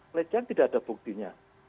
pelecehan tidak ada buktinya